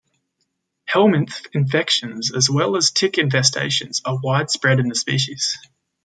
Helminth infections, as well as tick infestations are widespread in the species.